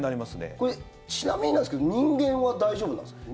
これちなみになんですけど人間は大丈夫なんですか？